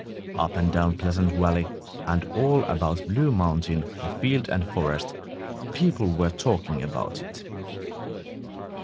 Up and down Pleasant Valley and all about Blue Mountain the field and forest people were talking about it.